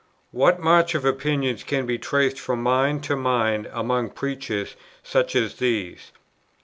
What march of opinions can be traced from mind to mind among preachers such as these?